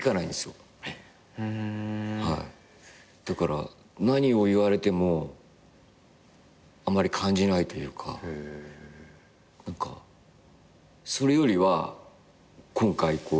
だから何を言われてもあまり感じないというか何かそれよりは今回こう。